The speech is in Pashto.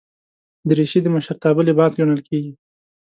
دریشي د مشرتابه لباس ګڼل کېږي.